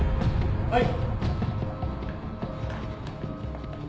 はい。